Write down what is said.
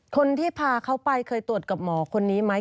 คนที่พาเขาไปเคยตรวจกับหมอคนนี้ไหม